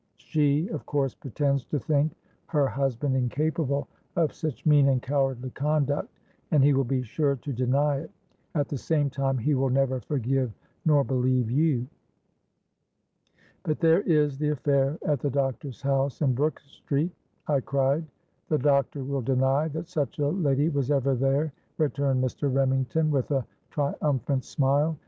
She of course pretends to think her husband incapable of such mean and cowardly conduct; and he will be sure to deny it; at the same time he will never forgive nor believe you.'—'But there is the affair at the doctor's house in Brook Street,' I cried.—'The doctor will deny that such a lady was ever there,' returned Mr. Remington, with a triumphant smile.